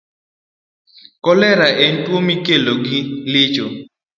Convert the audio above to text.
Kolera en tuwo mikelo gi chilo.